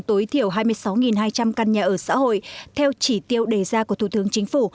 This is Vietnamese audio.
tối thiểu hai mươi sáu hai trăm linh căn nhà ở xã hội theo chỉ tiêu đề ra của thủ tướng chính phủ